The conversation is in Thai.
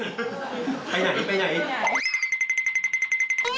ไปไหน